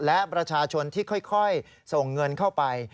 และประชาชนที่ค่อยส่งเงินเข้าไป